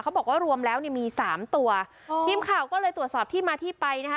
บอกว่ารวมแล้วเนี่ยมีสามตัวทีมข่าวก็เลยตรวจสอบที่มาที่ไปนะคะ